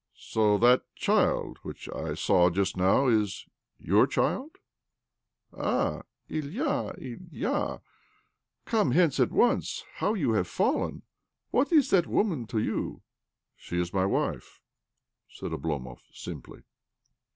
" So that child which I saw just now is your child? Ah, Ilya, Ilya! Come hence at once. How you have fallen ! What is that woman to you ?"" She is my wife," said Oblomov simply.